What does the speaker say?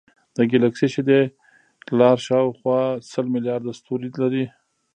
د ګلکسي شیدې لار شاوخوا سل ملیارده ستوري لري.